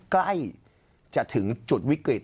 ใกล้จะถึงจุดวิกฤต